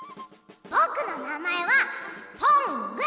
ぼくのなまえは「トング」。